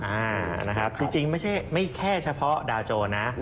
อ่านะครับจริงไม่ใช่ไม่แค่เฉพาะดาวโจรนะ